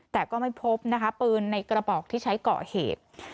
แต่ก็ไม่พบนะคะปืนในกระบอกที่ใช้ก่อเหตุ